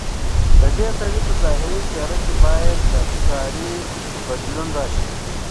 ددې سړي په ظاهري څېره کې باید د ښکاري بدلون راشي.